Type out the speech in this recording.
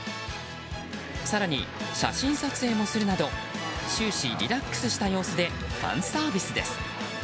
更に、写真撮影もするなど終始リラックスした様子でファンサービスです。